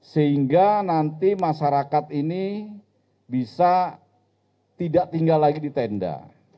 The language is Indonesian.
sehingga nanti masyarakat ini bisa tidak tinggal lagi di tenda